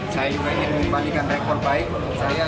saya juga ingin mengembalikan rekor baik untuk saya